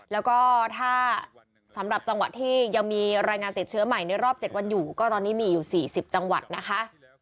แล้วก็ถ้าสำหรับจังหวัดที่ยังมีรายงานติดเชื้อใหม่ในรอบ๗วันอยู่ก็ตอนนี้มีอยู่๔๐จังหวัดนะคะ